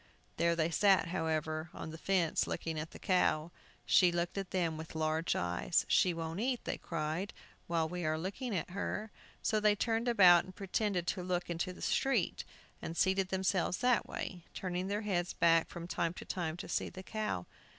There they sat, however, on the fence, looking at the cow. She looked at them with large eyes. "She won't eat," they cried, "while we are looking at her!" So they turned about, and pretended to look into the street, and seated themselves that way, turning their heads back, from time to time, to see the cow.